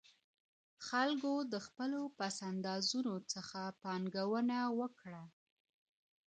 خلګو د خپلو پس اندازونو څخه پانګونه وکړه.